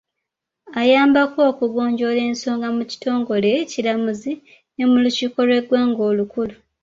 Ayambako okugonjoola ensonga mu kitongole ekiramuzi ne mu lukiiko lw’eggwanga olukulu.